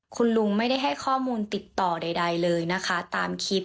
คุณลุงไม่ได้ให้ข้อมูลติดต่อใดเลยนะคะตามคลิป